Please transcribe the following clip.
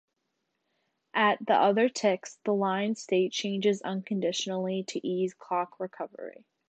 At the other ticks, the line state changes unconditionally to ease clock recovery.